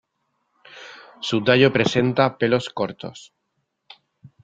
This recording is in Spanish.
Su tallo presenta pelos cortos.